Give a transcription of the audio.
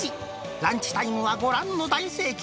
ランチタイムはご覧の大盛況。